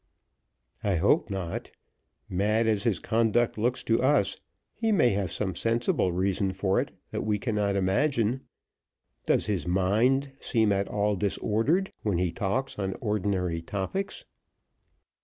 "I hope not. Mad as his conduct looks to us, he may have some sensible reason for it that we cannot imagine. Does his mind seem at all disordered when he talks on ordinary topics?"